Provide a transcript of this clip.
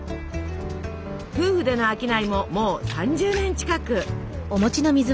夫婦での商いももう３０年近く。